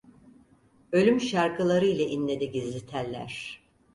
Ölüm şarkılarıyla inledi gizli teller….